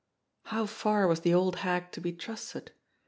How far was the old hag to be trusted